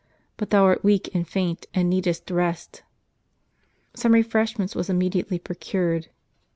But thou art weak and faint, and needest rest." Some refreshment was immediately procured.